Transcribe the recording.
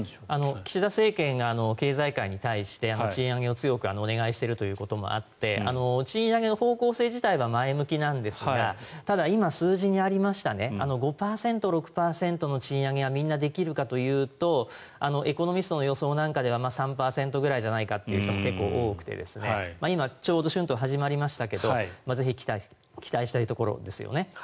岸田政権が経済界に対して賃上げを強くお願いしているということもあって賃上げの方向性自体は前向きなんですがただ今、数字にありました５％、６％の賃上げがみんなできるかというとエコノミストの予想なんかでは３％ぐらいじゃないかって人も結構多くて今、ちょうど春闘が始まりましたがぜひ期待したいところですよね。